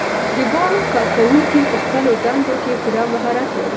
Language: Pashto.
د بانک کارکوونکي په خپلو دندو کې پوره مهارت لري.